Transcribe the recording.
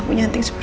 aku mau denger